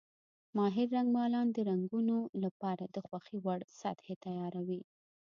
ماهر رنګمالان د رنګونو لپاره د خوښې وړ سطحې تیاروي.